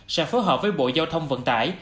sẽ phối hợp với bộ giao thông vận tải